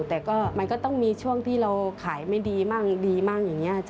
แต่ก็มันก็ต้องมีช่วงที่เราขายไม่ดีมั่งดีมั่งอย่างนี้